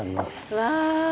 うわ！